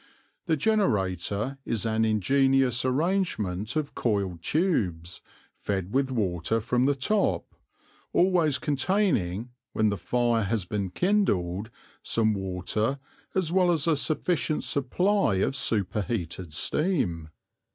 The generator is an ingenious arrangement of coiled tubes, fed with water from the top, always containing, when the fire has been kindled, some water as well as a sufficient supply of superheated steam.